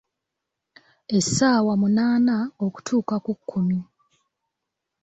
Essaawa munaana okutuuka ku kkumi.